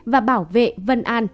và bảo vệ vân an